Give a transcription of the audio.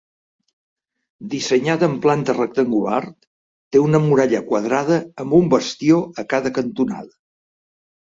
Dissenyada amb planta rectangular, té una muralla quadrada amb un bastió a cada cantonada.